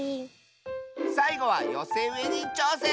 さいごはよせうえにちょうせん！